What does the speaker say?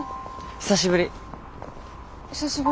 久しぶり。